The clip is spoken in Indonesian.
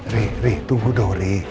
ri ri tunggu dong ri